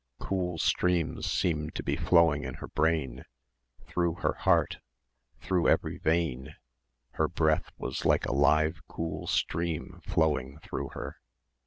Cool streams seemed to be flowing in her brain, through her heart, through every vein, her breath was like a live cool stream flowing through her.